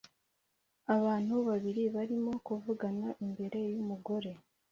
Abantu babiri barimo kuvugana imbere yumugore